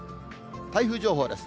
台風情報です。